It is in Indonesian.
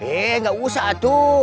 eh enggak usah tuh